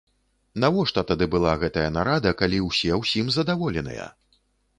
Навошта тады была гэтая нарада, калі ўсе ўсім задаволеныя?